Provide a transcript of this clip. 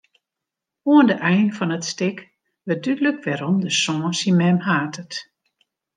Oan de ein fan it stik wurdt dúdlik wêrom de soan syn mem hatet.